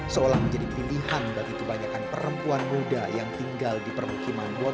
seolah menjadi pilihan bagi kebanyakan perempuan muda yang tinggal di permukiman warga